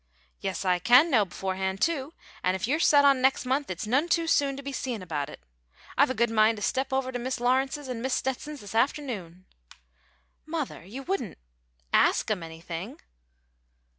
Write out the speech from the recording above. "Yes, I can know beforehand, too, and if you're set on next month, it's none too soon to be seein' about it. I've a good mind to step over to Mis' Lawrence's and Mis' Stetson's this afternoon." "Mother! You wouldn't ask 'em anything?"